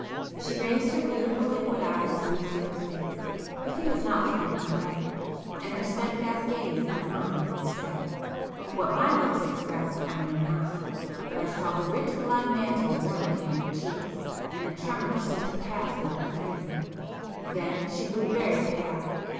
She raised her beautiful liquid eyes to Lucio's face, but he was not looking her way, and her stedfast gaze met mine instead. What my looks expressed I know not; but I saw the rich blood mantle warmly in her cheeks, and a tremor seemed to pass through her frame,—then she grew very pale.